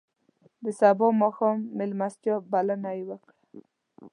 د سبا ماښام میلمستیا بلنه یې وکړه.